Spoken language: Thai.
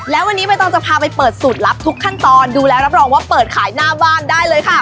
แล้ววันนี้ใบตองจะพาไปเปิดสูตรลับทุกขั้นตอนดูแลรับรองว่าเปิดขายหน้าบ้านได้เลยค่ะ